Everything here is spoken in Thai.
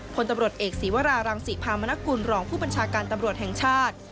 พลตำรวจเอกศีวรารังศิพามนกุลรองผู้บัญชาการตำรวจแห่งชาติ